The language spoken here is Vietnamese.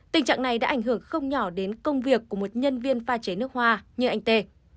tình trạng này đã ảnh hưởng không nhỏ đến công việc của một nhân viên pha chế nước hoa như anh tê